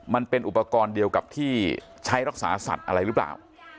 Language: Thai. มันเป็นอุปกรณ์เดียวกับที่ใช้รักษาสัตว์อะไรหรือเปล่า